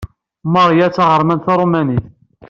Maria d taɣermant taṛumanit.